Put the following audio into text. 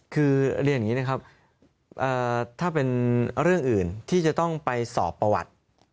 คือเรียนอย่างนี้นะครับถ้าเป็นเรื่องอื่นที่จะต้องไปสอบประวัติ